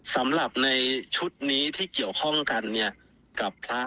สำหรับในชุดนี้ที่เกี่ยวข้องกันเนี่ยกับพระ